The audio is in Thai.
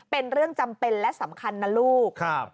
เป็นเรื่องจำเป็นและสำคัญนะลูก